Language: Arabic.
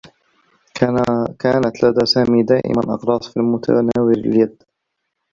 كانت لدى سامي دائما أقراص في متناول اليد.